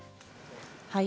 はい。